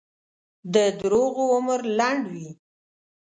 د دروغو عمر لنډ وي.